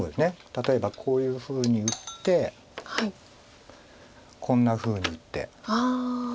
例えばこういうふうに打ってこんなふうに打って。